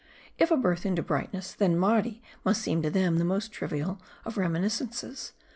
If a birth into brightness, then Mardi must seem to them the most trivial of reminis cences.